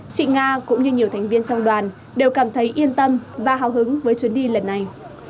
chị nga cũng như nhiều thành viên trong đoàn đều cảm thấy yên tâm và hào hứng với chuyến đi lần này